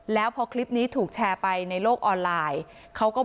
แล้วพอคลิปนี้ถูกแชร์ไปในโลกออนไลน์เขาก็